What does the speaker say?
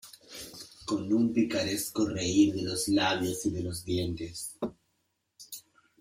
con un picaresco reír de los labios y de los dientes .